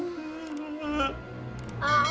dan yang ketiga